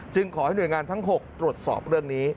ขอให้หน่วยงานทั้ง๖ตรวจสอบเรื่องนี้